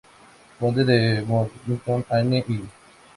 Conde de Mornington y Anne Hill.